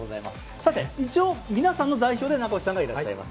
さて、一応、皆さんの代表で名越さんがいらっしゃいます。